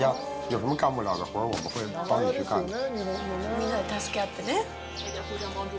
みんなで助け合ってね。